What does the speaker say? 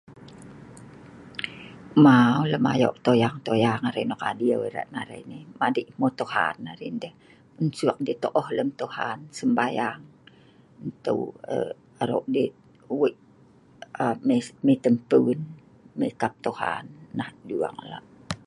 Maw lem ayoq toyang-toyang arai nok adieu erat arai madei hmeu Tuhan saja arai ndeeh. Nsuek deeh tooh lem Tuhan sembahyang nteu ee.. aroq deeh wei aa…mai tempuen mai kaap Tuhan, nah dueng lah